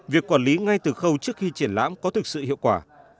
việc quản lý ngay từ khâu trước khi triển lãm có thực sự hiệu quả